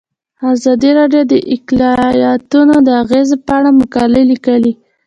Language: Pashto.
ازادي راډیو د اقلیتونه د اغیزو په اړه مقالو لیکلي.